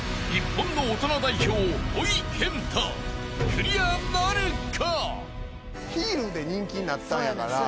［クリアなるか？］